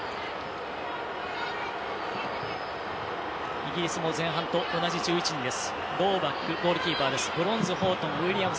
イギリスも前半と同じ１１人です。